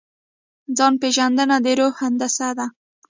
ځان پېژندنه د روح هندسه ده.